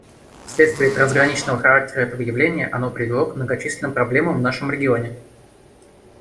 Вследствие трансграничного характера этого явления оно привело к многочисленным проблемам в нашем регионе.